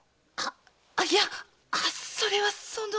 あいやそれはその。